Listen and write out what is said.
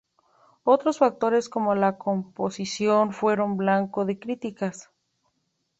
Otros factores como la composición fueron blanco de críticas.